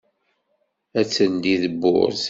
Ad d-teldi tewwurt.